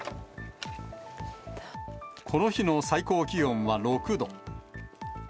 この日の最高気温は６度。